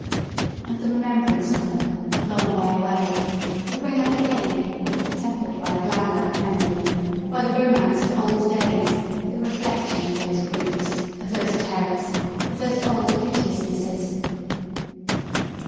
And the remembrance of them, a long way away, will bring up again, tempered by the glamour of memory, by the romance of old days, the reflection of those griefs, of those terrors, of those old piteousnesses.